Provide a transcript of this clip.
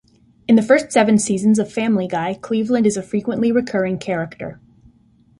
In the first seven seasons of "Family Guy", Cleveland is a frequently recurring character.